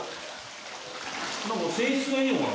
何か泉質がいいのかな。